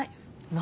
何？